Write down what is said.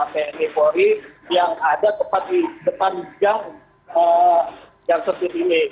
pnp polri yang ada tepat di depan jam yang sebut ini